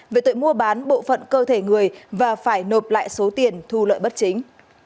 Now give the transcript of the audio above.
về tội mua bán bộ phận cơ thể người và phải nộp lại số tiền thu lợi bất chính